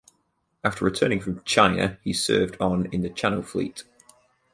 After returning from China, he served on in the Channel Fleet.